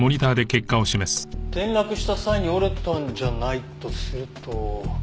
転落した際に折れたんじゃないとすると。